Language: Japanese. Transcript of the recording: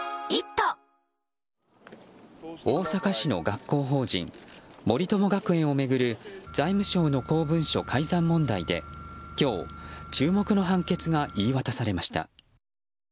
大阪市の学校法人森友学園を巡る財務省の公文書改ざん問題で今日、注目の判決が言い渡されました。